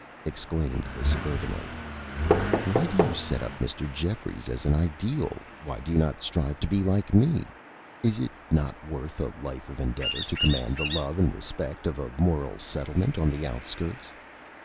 exclaimed the Suburbanite. "Why do you set up Mr. Jeffries as an Ideal? Why do you not strive to be like Me? Is it not worth a Life of Endeavor to command the Love and Respect of a Moral Settlement on the Outskirts?